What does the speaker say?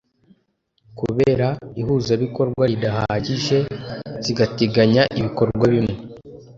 kubera ihuzabikorwa ridahagije zigateganya ibikorwa bimwe.